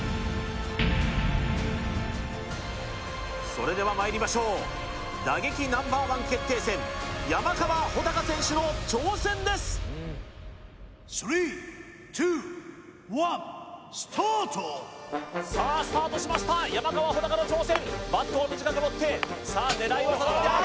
それではまいりましょう打撃Ｎｏ．１決定戦山川穂高選手の挑戦ですさあスタートしました山川穂高の挑戦バットを短く持ってさあ狙いを定めてああ